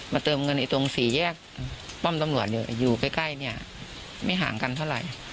เติมเงินตรงสี่แยกป้อมตำรวจอยู่ใกล้เนี่ยไม่ห่างกันเท่าไหร่